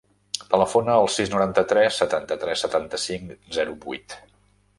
Telefona al sis, noranta-tres, setanta-tres, setanta-cinc, zero, vuit.